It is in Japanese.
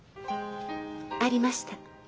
ありました。